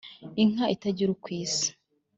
inka itagira uko isa